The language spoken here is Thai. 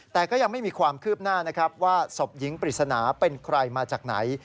แต่ก็ยังไม่มีความคืบหน้านะครับว่าศพหญิงปริศนาเป็นใครมาจากไหน